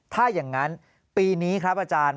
ถ้าอย่างนั้นปีนี้ครับอาจารย์